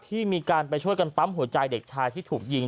ที่มีการไปช่วยกันปั๊มหัวใจเด็กชายที่ถูกยิง